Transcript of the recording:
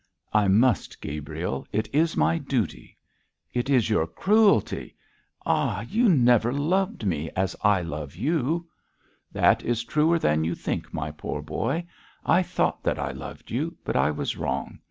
'I must, Gabriel; it is my duty.' 'It is your cruelty! Ah, you never loved me as I love you.' 'That is truer than you think, my poor boy. I thought that I loved you, but I was wrong.